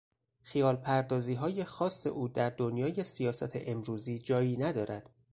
خیال پردازیهای خاص او در دنیای سیاست امروزی جایی ندارد.